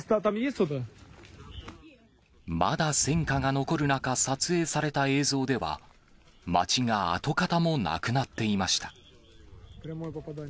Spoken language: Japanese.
まだ戦火が残る中、撮影された映像では、町が跡形もなくなっていました。